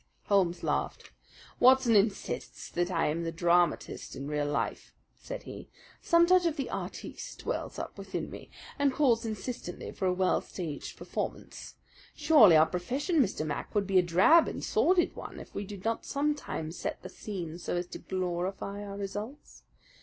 Holmes laughed. "Watson insists that I am the dramatist in real life," said he. "Some touch of the artist wells up within me, and calls insistently for a well staged performance. Surely our profession, Mr. Mac, would be a drab and sordid one if we did not sometimes set the scene so as to glorify our results.